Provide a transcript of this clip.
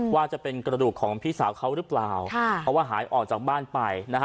ว่าจะเป็นกระดูกของพี่สาวเขาหรือเปล่าค่ะเพราะว่าหายออกจากบ้านไปนะฮะ